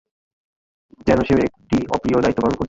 যেন সে একটি অপ্রিয় দায়িত্ব পালন করছে।